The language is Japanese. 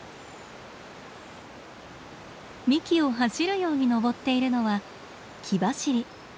幹を走るように登っているのはキバシリ。